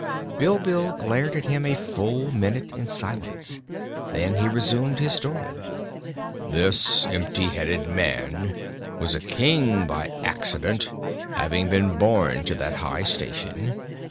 Bilbil glared at him a full minute in silence. Then he resumed his story: "This empty headed man was a King by accident, having been born to that high station.